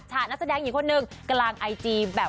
เรื่องเดือด